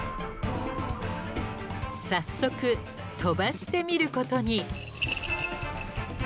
早速飛ばしてみることに。